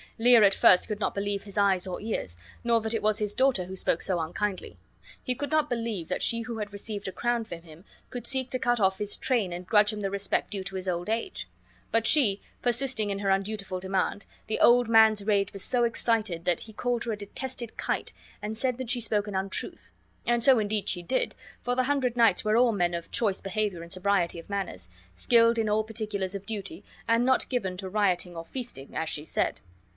Lear at first could not believe his eyes or ears, nor that it was his daughter who spoke so unkindly. He could not believe that she who had received a crown from him could seek to cut off his train and grudge him the respect due to his old age. But she persisting in her undutiful demand, the old man's rage was so excited that he called her a detested kite and said that she spoke an untruth; and so indeed she did, for the hundred knights were all men of choice behavior and sobriety of manners, skilled in all particulars of duty, and not given to rioting or feasting, as she said.